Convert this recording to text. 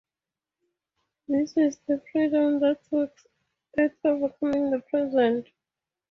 This is the freedom that works at overcoming the present.